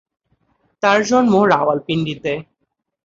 তাঁর জন্ম রাওয়ালপিন্ডিতে।